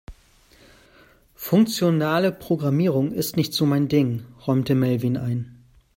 Funktionale Programmierung ist nicht so mein Ding, räumte Melvin ein.